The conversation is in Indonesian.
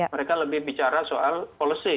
mereka lebih bicara soal policy